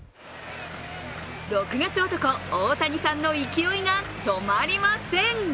６月男、大谷さんの勢いがとまりません。